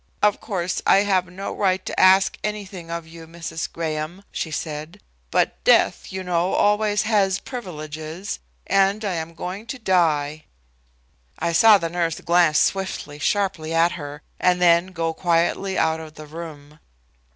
"Of course I have no right to ask anything of you, Mrs. Graham," she said, "but death, you know, always has privileges, and I am going to die." I saw the nurse glance swiftly, sharply, at her, and then go quietly out of the room.